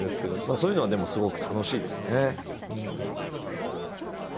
そういうのはでもすごく楽しいですね。